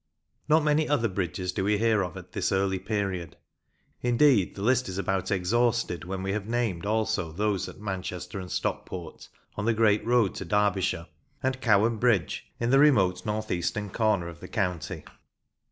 Not many other bridges do we hear of at this early period; indeed, the list is about exhausted when we have named also those at Manchester and Stockport, on the great road to Derbyshire, and Cowan Bridge, in the remote north eastern corner of the county.